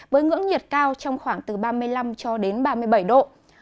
mức nhiệt cao trong khoảng từ ba mươi năm ba mươi bảy độ